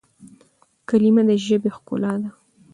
کلیمه د ژبي ښکلا ده.